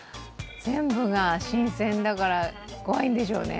全部が新鮮だから怖いんでしょうね。